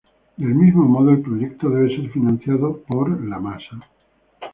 Del mismo modo, el proyecto debe ser financiado por "la masa".